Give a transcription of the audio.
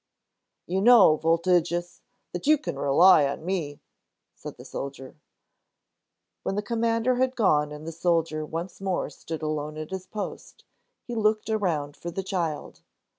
"You know, Voltigius, that you can rely on me," said the soldier. When the Commander had gone and the soldier once more stood alone at his post, he looked around for the child.